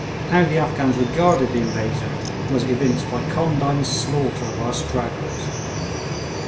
How the Afghans regarded the invasion was evinced by condign slaughter of our stragglers.